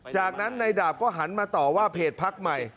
จากนั้นในดาบก็หันมาต่อว่าเพจพักใหม่